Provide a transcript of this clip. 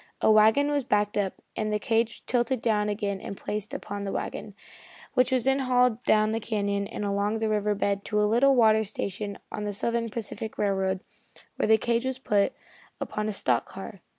A wagon was backed up, and the cage was tilted down again and placed upon the wagon, which was then hauled down the canyon and along the river bed to a little water station on the Southern Pacific Railroad, where the cage was put upon a stock car.